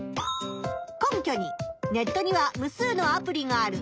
根拠に「ネットにはむ数のアプリがある。